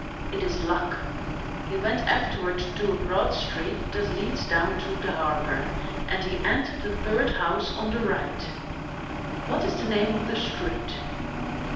"It is Luck. He went afterward to a broad street that leads down to the harbor, and he entered the third house on the right——" "What is the name of the street?"